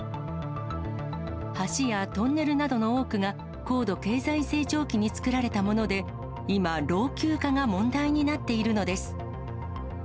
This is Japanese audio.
橋やトンネルなどの多くが、高度経済成長期に造られたもので、今、老朽化が問題になっているのです。